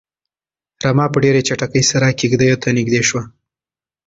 رمه په ډېرې چټکۍ سره کيږديو ته نږدې شوه.